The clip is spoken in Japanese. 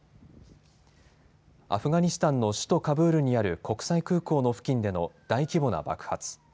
アフガニスタンの首都カブールにある国際空港の付近での大規模な爆発。